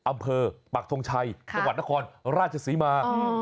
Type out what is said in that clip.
อำเภอปากทงชัยจังหวัดนครราชสีมา